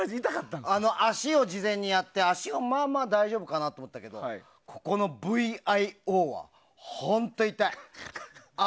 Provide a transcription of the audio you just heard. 足を事前にやって、足はまあまあ大丈夫かなと思ったけどここのＶＩＯは本当痛い。